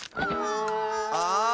ああ。